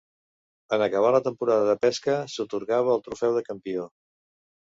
En acabar la temporada de pesca, s'atorgava el trofeu de campió.